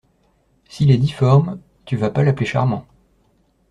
S’il est difforme, tu vas pas l’appeler Charmant.